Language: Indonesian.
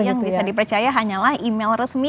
yang bisa dipercaya hanyalah email resmi